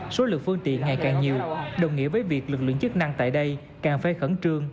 số lượng phương tiện ngày càng nhiều đồng nghĩa với việc lực lượng chức năng tại đây càng phải khẩn trương